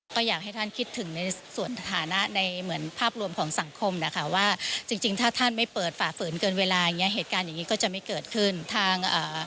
ก็อยากให้ท่านคิดถึงในส่วนฐานะในเหมือนภาพรวมของสังคมนะคะว่าจริงจริงถ้าท่านไม่เปิดฝ่าฝืนเกินเวลาอย่างเงี้เหตุการณ์อย่างงี้ก็จะไม่เกิดขึ้นทางอ่า